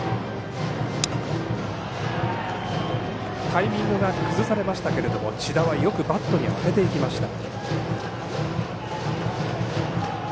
タイミングが崩されましたが千田は、よくバットに当てていきました。